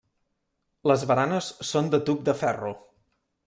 Les baranes són de tub de ferro.